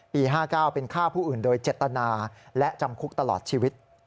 ๕๙เป็นฆ่าผู้อื่นโดยเจตนาและจำคุกตลอดชีวิต